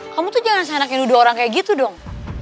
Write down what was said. kamu tuh jangan seenak nuduh orang kayak gitu dong